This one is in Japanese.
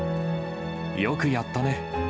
よくやったね！